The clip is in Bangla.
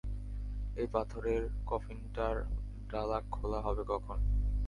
এই পাথরের কফিনটার ডালা খোলা হবে কখন?